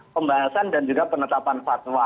pembahasan dan juga penetapan fatwa